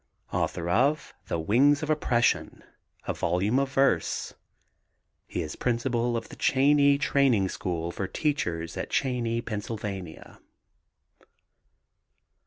Author of the Wings of Oppression, a volume of verse. He is principal of the Cheyney Training School for Teachers at Cheyney, Pa.